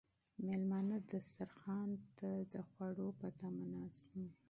مېلمانه په دسترخوان باندې د خوړو په تمه ناست وو.